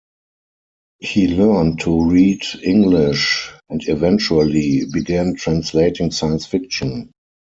He learned to read English and eventually began translating science fiction.